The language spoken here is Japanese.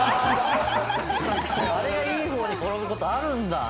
あれがいい方に転ぶ事あるんだ！